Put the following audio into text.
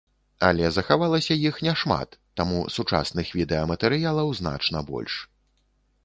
Але захавалася іх няшмат, таму сучасных відэаматэрыялаў значна больш.